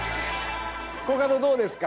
コカドどうですか？